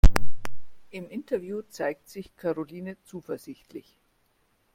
Im Interview zeigt sich Karoline zuversichtlich.